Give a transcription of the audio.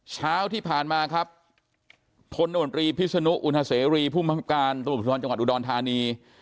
เช้าที่ผ่านมาครับพลนุนตรีพิศนุอุณหาเสรีผู้มันการตรวจพิธรรมจังหวัดอุดรฐานี